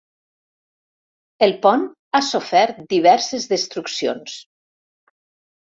El pont ha sofert diverses destruccions.